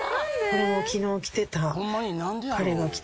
・これも昨日着てた。